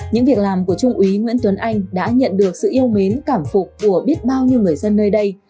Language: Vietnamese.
những việc làm của trung úy nguyễn tuấn anh đã nhận được sự yêu mến cảm phục của biết bao nhiêu người dân nơi đây